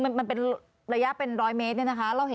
แล้วเราได้ยินเสียงด้วยหรอ